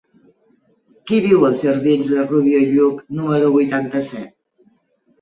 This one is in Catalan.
Qui viu als jardins de Rubió i Lluch número vuitanta-set?